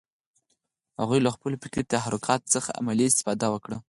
هغوی له خپلو فکري تحرکات څخه عملي استفاده وکړه